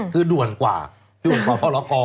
คือด่วนกว่าดวนพลก